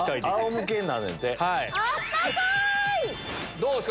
どうですか？